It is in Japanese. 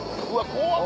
怖っ！